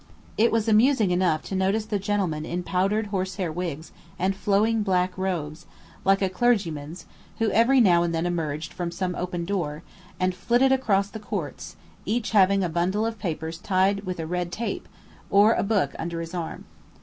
It was amusing enough to notice the gentlemen in powdered horse hair wigs and flowing black robes, like a clergyman's, who every now and then emerged from some open door, and flitted across the courts, each having a bundle of papers tied with red tape, or a book under his arm.